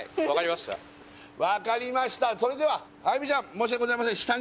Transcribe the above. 分かりましたそれでは歩ちゃん申し訳ございません